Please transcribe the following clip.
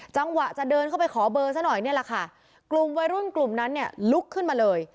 จังหวะจะเดินเข้าไปขอเบอร์ซะหน่อยนี่แหละค่ะกลุ่มวัยรุ่นกลุ่มนั้นเนี่ยลุกขึ้นมาเลย